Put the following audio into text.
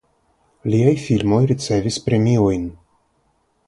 Liaj filmoj ricevis premiojn.